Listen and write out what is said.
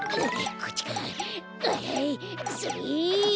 それ！